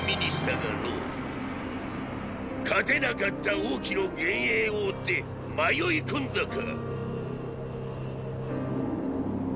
勝てなかった王騎の幻影を追って迷い込んだか？